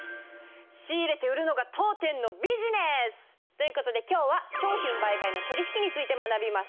仕入れて売るのが当店のビジネス！という事で今日は商品売買の取引について学びます。